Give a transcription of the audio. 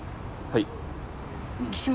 はい。